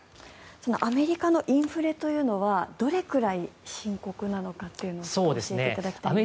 アメリカのインフレというのはどれぐらい深刻なのかというのを教えていただきたいんですが。